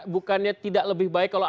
bukannya tidak lebih baik kalau